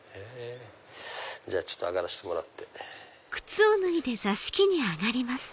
ちょっと上がらせてもらって。